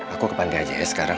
aku ke panti aja ya sekarang